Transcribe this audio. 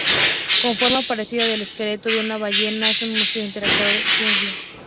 Con forma parecida al esqueleto de una ballena, es un museo interactivo de ciencia.